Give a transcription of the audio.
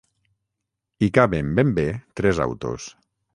Hi caben ben bé tres autos.